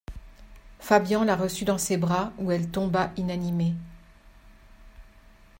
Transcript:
Fabian la reçut dans ses bras où elle tomba inanimée.